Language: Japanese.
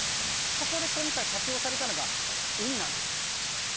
そこで今回活用されたのが海なんです。